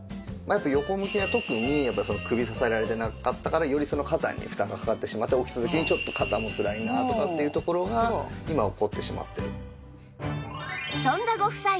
横向き寝は特に首が支えられてなかったからより肩に負担がかかってしまって起きた時にちょっと肩もつらいなとかっていうところが今起こってしまってる。